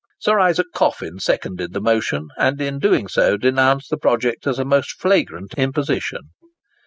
Sir Isaac Coffin seconded the motion, and in doing so denounced the project as a most flagrant imposition.